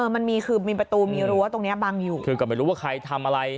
มันมีคือมีประตูมีรั้วตรงเนี้ยบังอยู่คือก็ไม่รู้ว่าใครทำอะไร